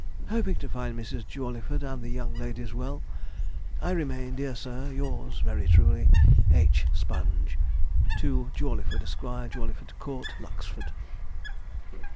Hoping to find Mrs. Jawleyford and the young ladies well, I remain, dear sir,' 'Yours very truly, 'H. SPONGE. 'To JAWLEYFORD, Esq., Jawleyford Court, Lucksford.'